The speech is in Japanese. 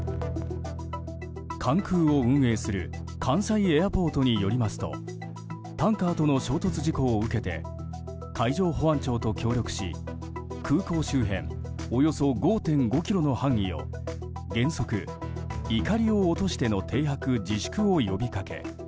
関空を運営する関西エアポートによりますとタンカーとの衝突事故を受けて海上保安庁と協力し、空港周辺およそ５．５ｋｍの範囲を原則、いかりを落としての停泊自粛を呼びかけ。